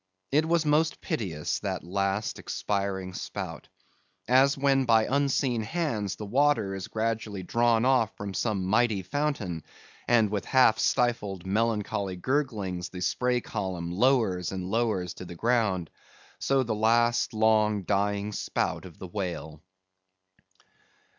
It was most piteous, that last expiring spout. As when by unseen hands the water is gradually drawn off from some mighty fountain, and with half stifled melancholy gurglings the spray column lowers and lowers to the ground—so the last long dying spout of the whale.